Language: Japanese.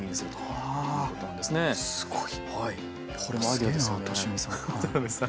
これもアイデアですよね。